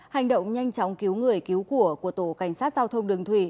hành động nhanh chóng cứu người cứu của của tổ cảnh sát giao thông đường thủy